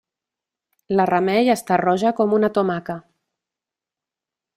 La Remei està roja com una tomaca.